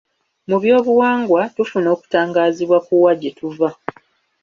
Mu byobuwangwa, tufuna okutangaazibwa ku wa gye tuva.